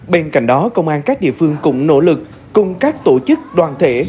bên cạnh đó công an các địa phương cũng nỗ lực cùng các tổ chức đoàn thể